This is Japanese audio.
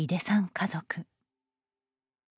家族。